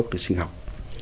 để bảo vệ môi trường